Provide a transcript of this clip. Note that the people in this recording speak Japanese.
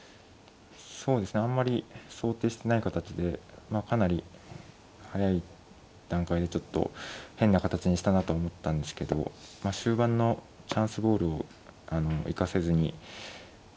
そうですねあんまり想定してない形でかなり早い段階でちょっと変な形にしたなと思ったんですけど終盤のチャンスボールを生かせずにそうですね